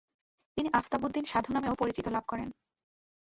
তিনি 'আফতাবউদ্দিন সাধু' নামেও পরিচিতি লাভ করেন।